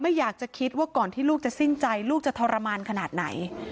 อยากจะคิดว่าก่อนที่ลูกจะสิ้นใจลูกจะทรมานขนาดไหน